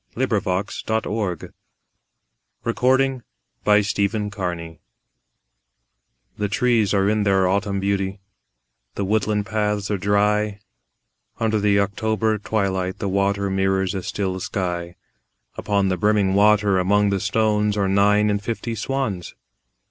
William Butler Yeats The Wild Swans at Coole THE trees are in their autumn beauty, The woodland paths are dry, Under the October twilight the water Mirrors a still sky; Upon the brimming water among the stones Are nine and fifty Swans.